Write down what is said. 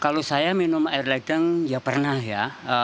kalau saya minum air ledeng ya pernah ya